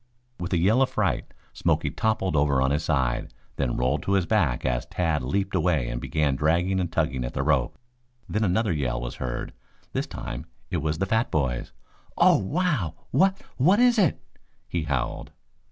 With a yell of fright Smoky toppled over on his side, then rolled to his back as Tad leaped away and began dragging and tugging at the rope. Then another yell was heard. This time it was the fat boy's. "Oh, wow! Wha what is it?" he howled.